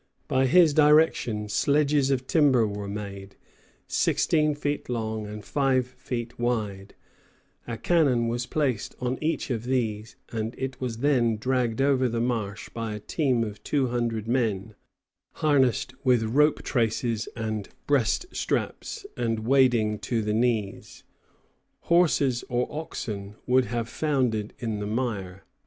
By his direction sledges of timber were made, sixteen feet long and five feet wide; a cannon was placed on each of these, and it was then dragged over the marsh by a team of two hundred men, harnessed with rope traces and breast straps, and wading to the knees. Horses or oxen would have foundered in the mire.